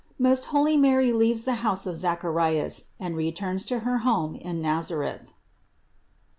MOST HOIvY MARY LEAVES THE HOUSE OF ZACHARIAS AND RETURNS TO HER HOME IN NAZARETH.